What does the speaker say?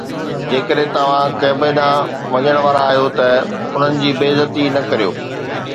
جيڪڏهن توهان ڪعبي ڏانهن وڃڻ وارا آهيو ته انهن جي بي عزتي نه ڪريو